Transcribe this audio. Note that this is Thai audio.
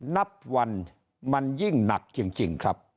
นับวันมันยิ่งหนักจริงครับ